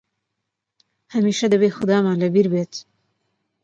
هەمیشە دەبێت خودامان لە بیر بێت!